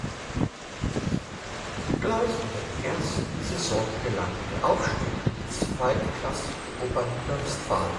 Gleich in der ersten Saison gelang der Aufstieg in die zweitklassige Oberliga Westfalen.